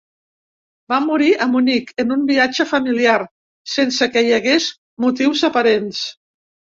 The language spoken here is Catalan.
Va morir a Munic, en un viatge familiar, sense que hi hagués motius aparents.